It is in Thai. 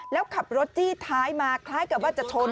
แล้วขับรถจี้ท้ายมาคล้ายกับว่าจะชน